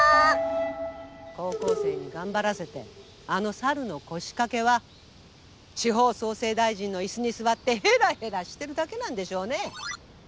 高校生に頑張らせてあのサルノコシカケは地方創生大臣の椅子に座ってヘラヘラしてるだけなんでしょうね！